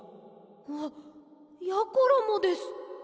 あっやころもです。